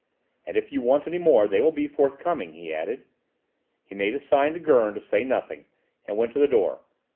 "And if you want any more, they will be forthcoming," he added. He made a sign to Gurn to say nothing, and went to the door.